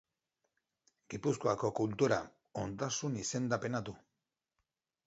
Gipuzkoako kultura ondasun izendapena du.